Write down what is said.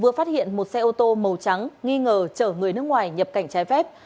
vừa phát hiện một xe ô tô màu trắng nghi ngờ chở người nước ngoài nhập cảnh trái phép